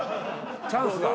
チャンスだ。